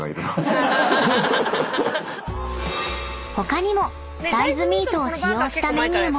［他にも大豆ミートを使用したメニューも］